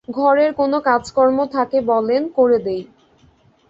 ঘরের কোনো কাজকর্ম থাকে বলেন, করে দেই।